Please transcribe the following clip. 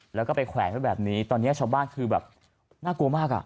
แล้วก็ไปแขวนไว้แบบนี้ตอนนี้ชาวบ้านคือแบบน่ากลัวมากอ่ะ